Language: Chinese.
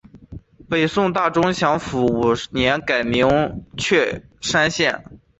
北宋大中祥符五年改名确山县。